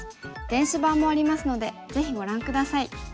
電子版もありますのでぜひご覧下さい。